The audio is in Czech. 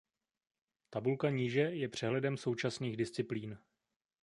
Tabulka níže je přehledem současných disciplín.